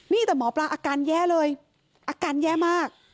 นี่แต่หมอปลาอาการแย่เลยอาการแย่มาก